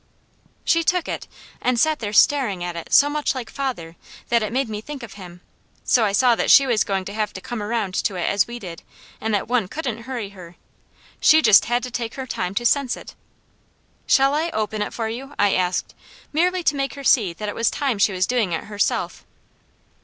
She took it, and sat there staring at it, so much like father, that it made me think of him, so I saw that she was going to have to come around to it as we did, and that one couldn't hurry her. She just had to take her time to sense it. "Shall I open it for you?" I asked, merely to make her see that it was time she was doing it herself.